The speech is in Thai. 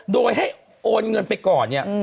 โดยให้โอนเงินไปก่อนเนี่ย